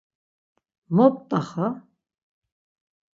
mot p̌t̆axa .